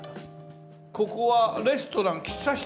ここはレストラン喫茶室？